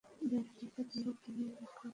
দৈহিক দিক দিয়েও তিনি দীর্ঘকায় ছিলেন।